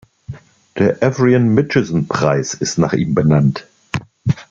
Der Avrion-Mitchison-Preis ist nach ihm benannt.